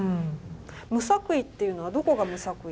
無作為っていうのはどこが無作為？